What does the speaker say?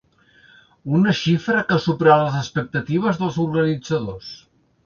Una xifra que ha superat les expectatives dels organitzadors.